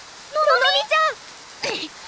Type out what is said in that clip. ののみちゃん！